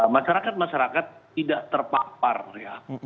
masyarakat masyarakat tidak terpapar ya